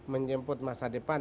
menjemput masa depan